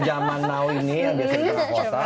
zaman now ini yang biasa di tengah kuasa